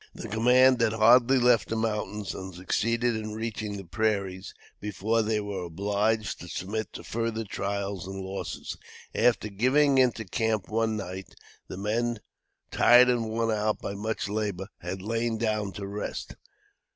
The command had hardly left the mountains and succeeded in reaching the prairies, before they were obliged to submit to further trials and losses. After going into camp one night, the men, tired and worn out by much labor, had lain down to rest.